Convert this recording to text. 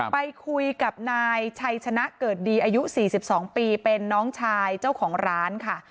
ไปคุยกับนายชัยชนะเกิดดีอายุ๔๒ปีเป็นน้องชายเจ้าของร้านค่ะ